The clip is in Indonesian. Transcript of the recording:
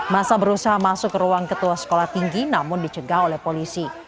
masa berusaha masuk ke ruang ketua sekolah tinggi namun dicegah oleh polisi